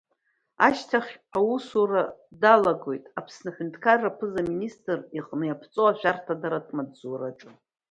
Ашьҭахь аусура далагоит, Аԥсны аҳәынҭқарра Аԥыза-министр иҟны иаԥҵоу ашәарҭадаратә маҵзураҿы.